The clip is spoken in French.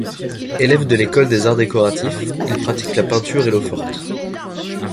Élève de l’École des arts décoratifs, il pratique la peinture et l'eau-forte.